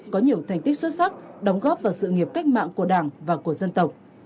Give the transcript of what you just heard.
có nhiều thành tích xuất sắc đóng góp vào sự nghiệp cách mạng của đảng và của dân tộc